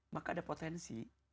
maka ada potensi